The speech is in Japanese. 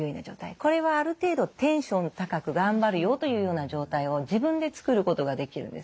これはある程度テンション高く頑張るよというような状態を自分で作ることができるんです。